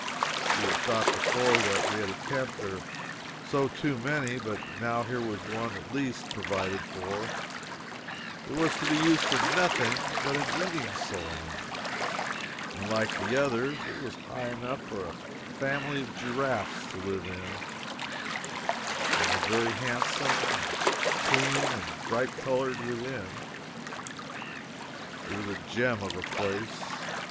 I had thought before that we had a tent or so too many, but now here was one, at least, provided for; it was to be used for nothing but an eating saloon. Like the others, it was high enough for a family of giraffes to live in, and was very handsome and clean and bright colored within. It was a gem of a place.